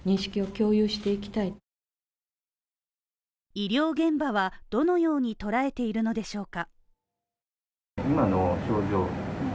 医療現場は、どのように捉えているのでしょうか。